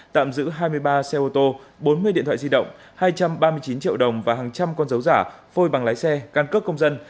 tạm giữ hai mươi ba xe ô tô bốn mươi điện thoại di động hai trăm ba mươi chín triệu đồng và hàng trăm con dấu giả phôi bằng lái xe can cước công dân